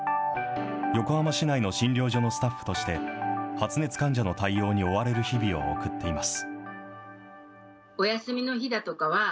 横浜市内の診療所のスタッフとして、発熱患者の対応に追われる日々を送っています。